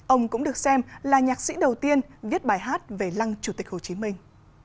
ông cũng được xem là nhạc sĩ đầu tiên viết bài hát về lăng chủ tịch hồ chí minh